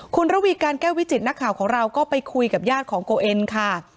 คุณระวีการแก้ววิจิตนักข่าวของเราก็ไปคุยกับญาติของโกเอ็นค่ะ